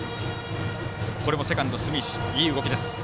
セカンド住石、いい動きです。